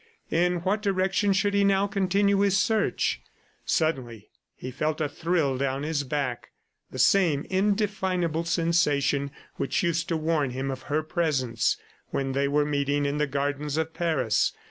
In what direction should he now continue his search? Suddenly he felt a thrill down his back the same indefinable sensation which used to warn him of her presence when they were meeting in the gardens of Paris.